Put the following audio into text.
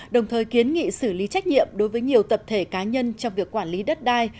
đồng thời kiến nghị xử lý trách nhiệm đối với nhiều tập thể cá nhân trong việc quản lý đất đai